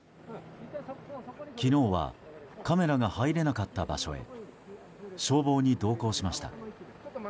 昨日はカメラが入れなかった場所へ消防に同行しました。